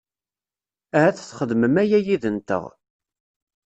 Ahat txedmem aya yid-nteɣ.